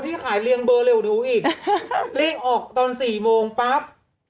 ที่ขายเรียงเบอร์เร็วดูอีกเร่งออกตอนสี่โมงปั๊บ